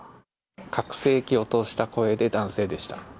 拡声器を通した声で男性でした。